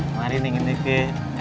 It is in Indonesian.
mari neng niki